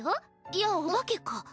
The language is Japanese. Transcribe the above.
いやお化けか。